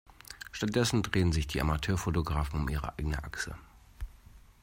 Stattdessen drehen sich die Amateurfotografen um ihre eigene Achse.